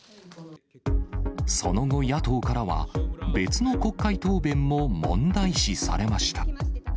その後、野党からは、別の国会答弁も問題視されました。